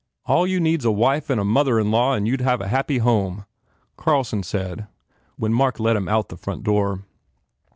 "All you need s a wife and a mother in law and you d have a happy home," Carlson said when Mark let him out of the front door.